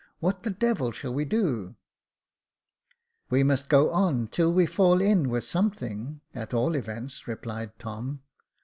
What the devil shall we do ?"We must go on till we fall in with something, at all events," replied Tom.